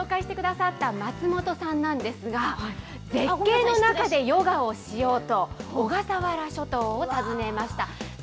今回ご紹介してくださった松本さんなんですが、絶景の中でヨガをしようと、小笠原諸島を訪ねました。